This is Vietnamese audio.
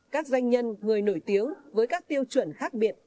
các doanh nhân người nổi tiếng với các tiêu chuẩn khác biệt